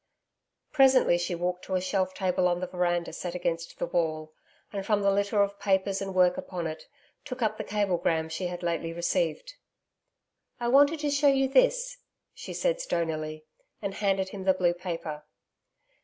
Presently she walked to a shelf table on the veranda set against the wall; and from the litter of papers and work upon it, took up the cablegram she had lately received. 'I wanted to show you this,' she said stonily, and handed him the blue paper.